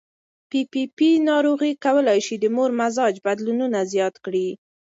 پي پي پي ناروغي کولی شي د مور مزاج بدلونونه زیات کړي.